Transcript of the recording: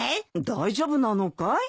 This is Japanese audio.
大丈夫なのかい？